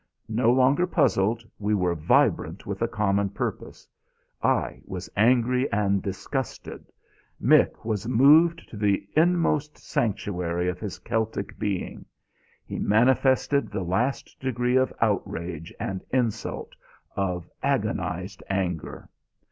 No longer puzzled, we were vibrant with a common purpose. I was angry and disgusted; Mick was moved to the inmost sanctuary of his Celtic being. He manifested the last degree of outrage and insult, of agonised anger.